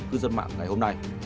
cư dân mạng ngày hôm nay